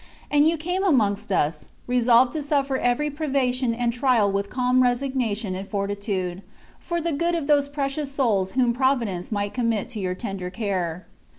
And you came amongst us, resolved to suffer every privation and trial with calm resignation and fortitude, for the good of those precious souls whom Providence might commit to your tender care.